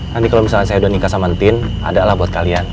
nanti kalo misalnya saya udah nikah sama tin ada lah buat kalian